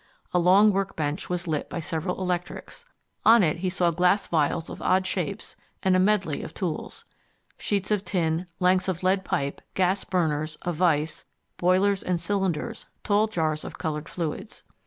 A long work bench was lit by several electrics. On it he saw glass vials of odd shapes, and a medley of tools. Sheets of tin, lengths of lead pipe, gas burners, a vise, boilers and cylinders, tall jars of coloured fluids.